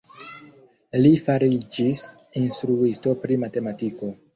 Li fariĝis instruisto pri matematiko.